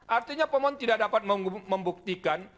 artinya pemohon tidak dapat membuktikan